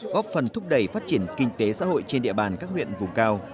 góp phần thúc đẩy phát triển kinh tế xã hội trên địa bàn các huyện vùng cao